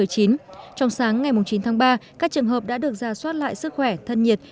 trong sáng ngày chín tháng ba các trường hợp đã được ra soát lại sức khỏe thân nhiệt